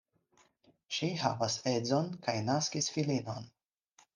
Ŝi havas edzon kaj naskis filinon.